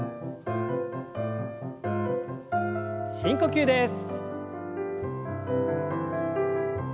深呼吸です。